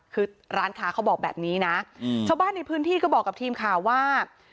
คือร้านค้าเขาบอกแบบนี้นะชาวบ้านในพื้นที่ก็บอกกับทีมข่าวว่า